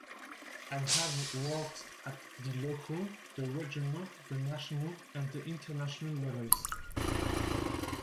I have worked at the local, the regional, the national and the international levels.